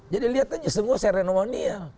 jadi lihat aja semua serenonial